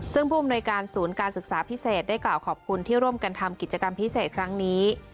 ซึ่งผู้อำนวยการศูนย์การศึกษาพิเศษได้กล่าวขอบคุณที่ร่วมกันทำกิจกรรมพิเศษครั้งนี้